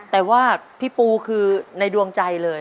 แต่ว่าพี่ปูคือในดวงใจเลย